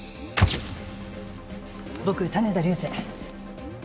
僕種田流星。